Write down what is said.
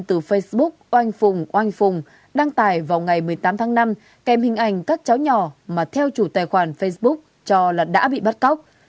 từ facebook oanh phùng oanh phùng đăng tải vào ngày một mươi tám tháng năm kèm hình ảnh các cháu nhỏ mà theo chủ tài khoản facebook cho là đã bị bắt cóc